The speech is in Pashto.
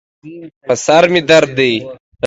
په سر مې درد دی